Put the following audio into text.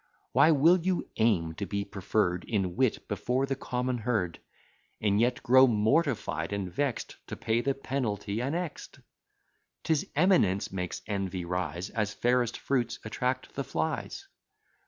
Why will you aim to be preferr'd In wit before the common herd; And yet grow mortified and vex'd, To pay the penalty annex'd? 'Tis eminence makes envy rise; As fairest fruits attract the flies.